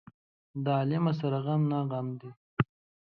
د عالمه سره غم نه غم دى.